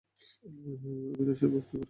অবিনাশের ভক্তি আরো চড়িতে লাগিল।